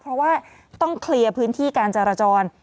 เพราะว่าต้องเคลียร์พื้นที่การจราจร